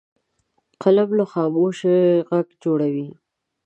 قلم له خاموشۍ غږ جوړوي